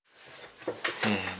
せの。